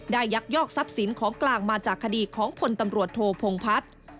ยักยอกทรัพย์สินของกลางมาจากคดีของพลตำรวจโทพงพัฒน์